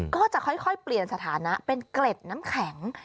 ก็จะค่อยเปลี่ยนสถานะเป็นเกล็ดน้ำแข็ง